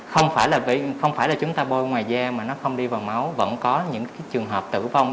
không đi vào máu vẫn có những cái trường hợp tử vong